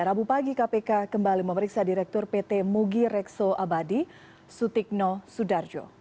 rabu pagi kpk kembali memeriksa direktur pt mugi rekso abadi sutikno sudarjo